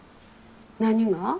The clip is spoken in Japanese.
何が？